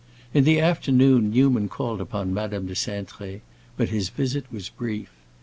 In the afternoon Newman called upon Madame de Cintré, but his visit was brief.